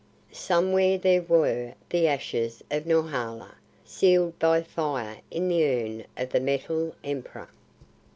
Somewhere there were the ashes of Norhala, sealed by fire in the urn of the Metal Emperor!